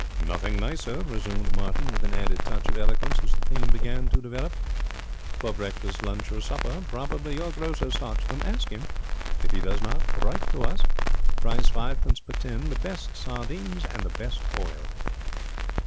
'"Nothing nicer."' resumed Martin, with an added touch of eloquence as the theme began to develop, '"for breakfast, lunch, or supper. Probably your grocer stocks them. Ask him. If he does not, write to us. Price fivepence per tin. The best sardines and the best oil!"'